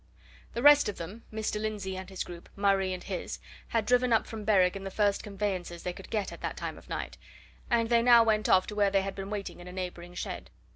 The rest of them, Mr. Lindsey and his group, Murray and his, had driven up from Berwick in the first conveyances they could get at that time of night, and they now went off to where they had been waiting in a neighbouring shed.